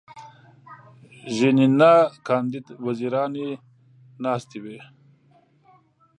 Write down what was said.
ژینینه کاندید وزیرانې ناستې وې.